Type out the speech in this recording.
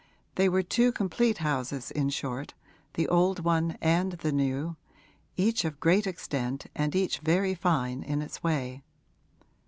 They were two complete houses in short, the old one and the new, each of great extent and each very fine in its way.